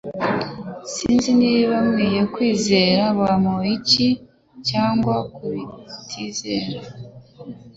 Sinzi niba nkwiye kwizera Bamoriki cyangwa kutizera